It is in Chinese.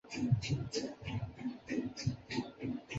英国广播公司第一台是英国广播公司的主要电视频道。